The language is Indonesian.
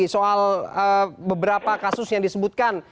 soal beberapa kasus yang disebutkan